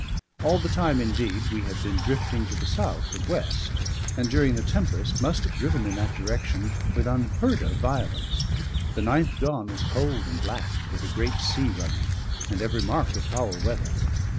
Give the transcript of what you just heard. All the time, indeed, we had been drifting to the south and west, and during the tempest must have driven in that direction with unheard of violence. The ninth dawn was cold and black, with a great sea running, and every mark of foul weather.